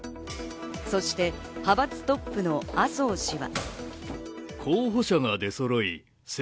そして派閥トップの麻生氏は。